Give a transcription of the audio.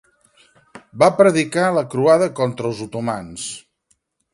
Va predicar la croada contra els otomans.